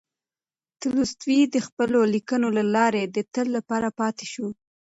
تولستوی د خپلو لیکنو له لارې د تل لپاره پاتې شو.